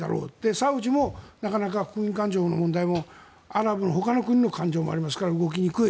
サウジもなかなか国民感情の問題もアラブのほかの国の問題もあるから動きにくい。